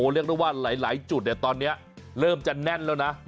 เรียกได้ว่าหลายจุดตอนนี้เริ่มจะแน่นแล้วนะ